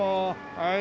はい。